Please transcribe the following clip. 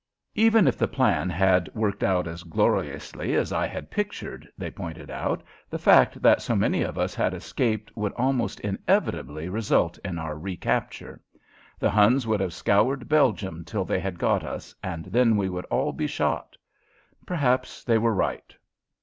Even if the plan had worked out as gloriously as I had pictured, they pointed out, the fact that so many of us had escaped would almost inevitably result in our recapture. The Huns would have scoured Belgium till they had got us and then we would all be shot. Perhaps they were right.